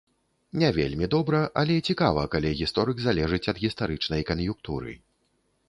Не вельмі добра, але цікава, калі гісторык залежыць ад гістарычнай кан'юнктуры.